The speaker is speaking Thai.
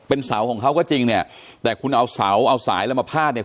เป็นเสาของเขาก็จริงเนี่ยแต่คุณเอาเสาเอาสายอะไรมาพาดเนี่ย